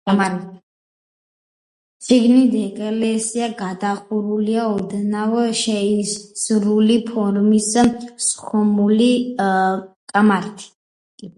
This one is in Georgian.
შიგნით ეკლესია გადახურულია ოდნავ შეისრული ფორმის, სხმული კამარით.